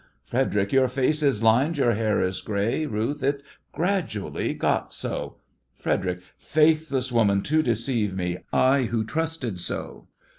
FREDERIC: Your face is lined, your hair is grey. RUTH: It's gradually got so. FREDERIC: Faithless woman, to deceive me, I who trusted so!